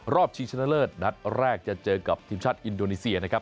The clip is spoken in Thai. ชิงชนะเลิศนัดแรกจะเจอกับทีมชาติอินโดนีเซียนะครับ